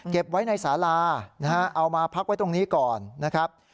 เก็บไว้ในสาลาเอามาพักไว้ตรงนี้ก่อนนะครับ